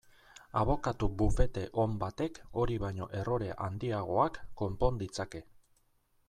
Abokatu bufete on batek hori baino errore handiagoak konpon ditzake.